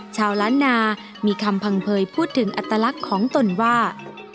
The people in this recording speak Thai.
ชาวล้านนามีคำพังเผยพูดถึงอัตลักษณ์ของตนว่า